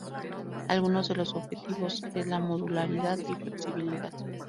Algunos de los objetivos es la modularidad y flexibilidad.